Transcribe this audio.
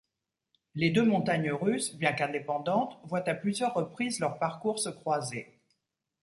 Les deux montagnes russes, bien qu'indépendantes, voient à plusieurs reprises leur parcours se croiser.